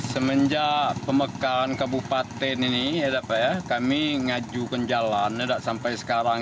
semenjak pemekaan kabupaten ini kami ngajukan jalan sampai sekarang